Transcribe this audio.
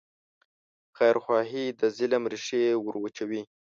خیرخواهي د ظلم ریښې وروچوي.